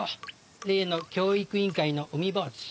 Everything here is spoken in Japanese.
例の教育委員会の海坊主。